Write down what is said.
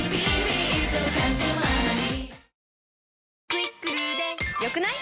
「『クイックル』で良くない？」